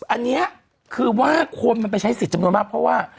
อันนี้คือว่าคนมันไปใช้สิทธิ์จำนวนมากเพราะว่า